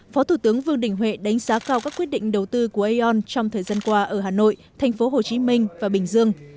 phó thủ tướng vương đình huệ đánh giá cao các quyết định đầu tư của aon trong thời gian qua ở hà nội thành phố hồ chí minh và bình dương